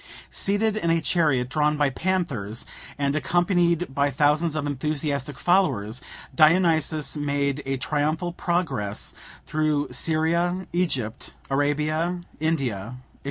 Seated in a chariot drawn by panthers, and accompanied by thousands of enthusiastic followers, Dionysus made a triumphal progress through Syria, Egypt, Arabia, India, &c.